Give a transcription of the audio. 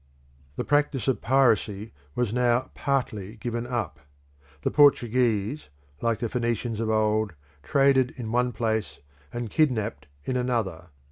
The practice of piracy was now partly given up: the Portuguese, like the Phoenicians of old, traded in one place and kidnapped in another.